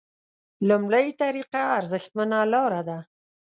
لومړۍ طریقه ارزښتمنه لاره ده.